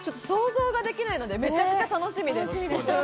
想像ができないのでめちゃめちゃ楽しみです。